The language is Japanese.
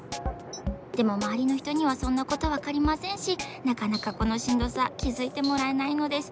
でもまわりのひとにはそんなことわかりませんしなかなかこのしんどさきづいてもらえないのです。